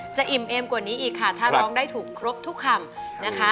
อิ่มเอมกว่านี้อีกค่ะถ้าร้องได้ถูกครบทุกคำนะคะ